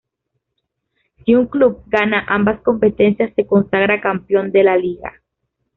Si un club gana ambas competencias se consagra Campeón de la Liga.